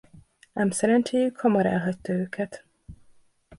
Ám szerencséjük hamar elhagyta őket.